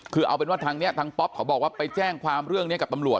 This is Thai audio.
คือเอาเป็นว่าทางนี้ทางป๊อปเขาบอกว่าไปแจ้งความเรื่องนี้กับตำรวจ